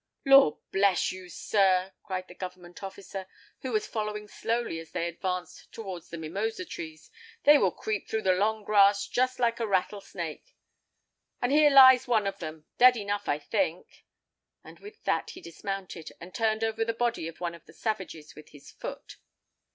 "Lord bless you, sir!" cried the government officer, who was following slowly as they advanced towards the mimosa trees, "they will creep through the long grass just like a rattle snake. But here lies one of them, dead enough, I think." And with that he dismounted, and turned over the body of one of the savages with his foot.